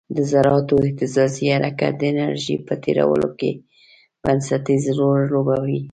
د ذراتو اهتزازي حرکت د انرژي په تیرولو کې بنسټیز رول لوبوي.